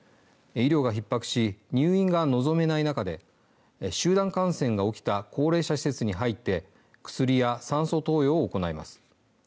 医療がひっ迫し入院が望めない中で集団感染が起きた高齢者施設に入って薬や酸素投与を行います。